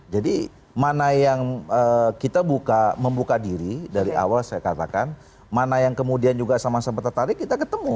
jadi mana yang kita buka membuka diri dari awal saya katakan mana yang kemudian juga sama sama tertarik kita ketemu